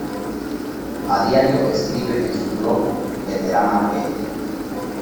A diario escribe en su blog "Veterana B".